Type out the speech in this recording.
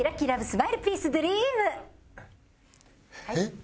はい。